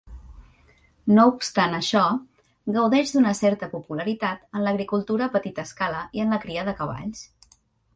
No obstant això, gaudeix d'una certa popularitat en l'agricultura a petita escala i en la cria de cavalls.